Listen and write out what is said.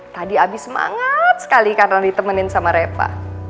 tadi abis semangat sekali karena ditemenin sama reva